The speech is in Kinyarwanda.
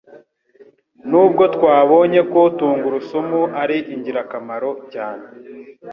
Nubwo twabonye ko tungurusumu ari ingirakamaro cyane